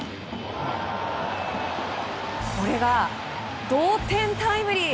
これが同点タイムリー！